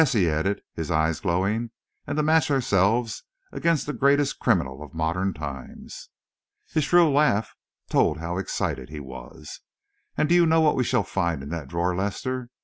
he added, his eyes glowing, "and to match ourselves against the greatest criminal of modern times!" His shrill laugh told how excited he was. "And do you know what we shall find in that drawer, Lester?